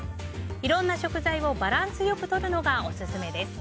いろんな食材をバランスよくとるのがオススメです。